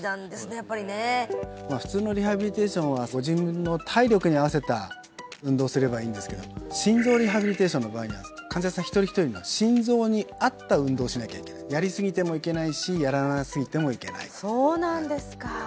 やっぱりね普通のリハビリテーションはご自分の体力に合わせた運動をすればいいんですけど心臓リハビリテーションの場合には患者さん一人一人の心臓に合った運動をしなきゃいけないやりすぎてもいけないしやらなすぎてもいけないそうなんですか